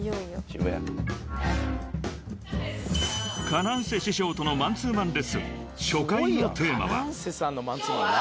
［ＫａｎａｎｃＥ師匠とのマンツーマンレッスン初回のテーマは？］